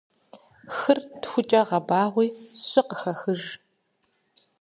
Хыр тхукӏэ гъэбагъуи щы къыхэхыж.